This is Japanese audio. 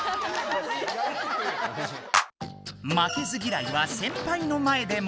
負けず嫌いはセンパイの前でも。